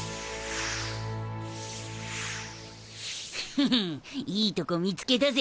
ヘヘッいいとこ見つけたぜ。